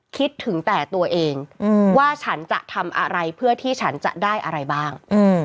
คิดถึงแต่ตัวเองว่าฉันจะทำอะไรเพื่อที่ฉันจะได้อะไรบ้าง